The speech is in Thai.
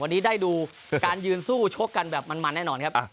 วันนี้ได้ดูการยืนสู้ชกกันแบบมันแน่นอนครับ